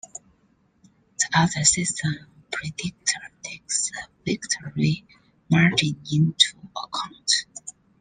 The other system, "Predictor," takes victory margin into account.